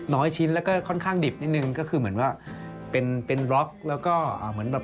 น้อยชิ้นแล้วก็ค่อนข้างดิบนิดนึงก็คือเหมือนว่าเป็นเป็นบล็อกแล้วก็อ่าเหมือนแบบ